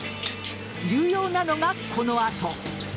重要なのがこの後。